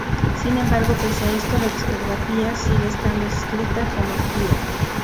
Sin embargo, pese a esto, la discográfica sigue estando inscrita como "activa".